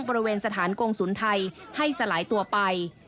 บริเวณสถานกงศูนย์ไทยให้สลายตัวไป